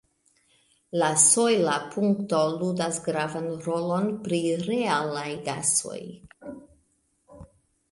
La sojla punkto ludas gravan rolon pri realaj gasoj.